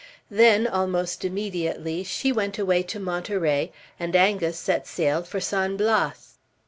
Then, almost immediately, she went away to Monterey, and Angus set sail for San Blas.